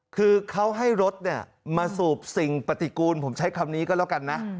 คือเขาให้รถมาสูบสิ่งปฏิกูลผมใช้คำนี้ก็แล้วกันนะ